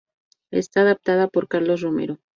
Está adaptada por Carlos Romero.